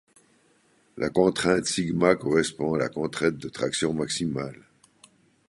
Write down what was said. La contrainte σ correspond à la contrainte de traction maximale.